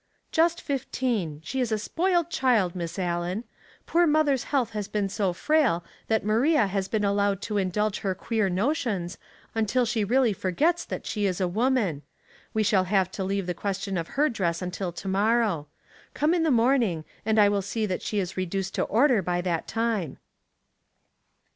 "Just fifteen. She is a spoiled child, Misa Mourning and Dressmaking. 97 Allen. Poor mother's health has been so frail that Maria has been allowed to indulge her queer notions, until she really forgets that she is a woman. We shall have to leave the question of her dress until to morrow. Come in the morn ing, and I will see that she is reduced to order by that time."